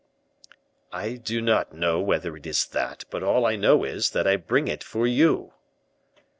"I do not know whether it is that; but all I know is, that I bring it for you."